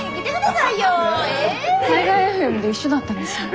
災害ＦＭで一緒だったんですもんね。